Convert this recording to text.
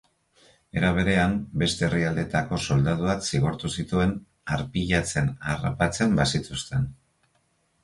Era berean, beste herrialdeetako soldaduak zigortu zituen arpilatzen harrapatzen bazituzten.